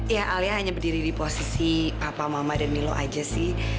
ya alia hanya berdiri di posisi apa mama dan nilo aja sih